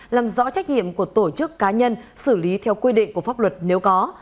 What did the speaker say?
làm rõ trách nhiệm của tổ chức cá nhân xử lý theo quy định của pháp luật nếu có